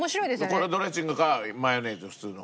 このドレッシングかマヨネーズ普通の。